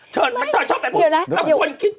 เธอชอบแบบผมต้องควรคิด